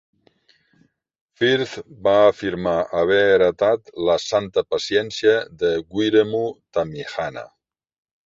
Firth va afirmar haver heretat la "santa paciència" de Wiremu Tamihana.